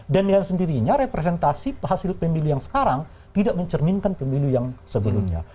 dan yang sendirinya representasi hasil pemilu yang sekarang tidak mencerminkan pemilu yang sebelumnya